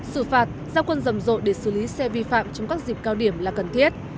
xử phạt giao quân rầm rộ để xử lý xe vi phạm trong các dịp cao điểm là cần thiết